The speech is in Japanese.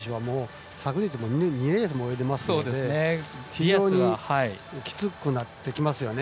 決勝に残っている選手は昨日、２レースも泳いでいますので非常にきつくなってきますよね。